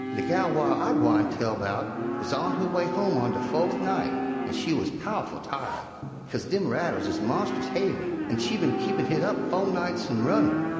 "De gal whar I gwine tell 'bout wuz on her way home on de fo'th night, an' she wuz pow'ful tired, 'kase dem rattles is monst'ous haivy, an' she bin keepin' hit up fo' nights han' runnin'.